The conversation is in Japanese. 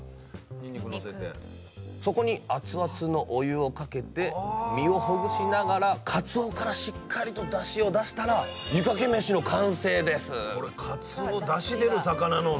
そこに熱々のお湯をかけて身をほぐしながらかつおからしっかりとだしを出したら「湯かけ飯」の完成です！